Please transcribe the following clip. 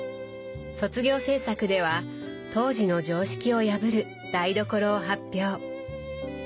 卒業制作では当時の常識を破る台所を発表。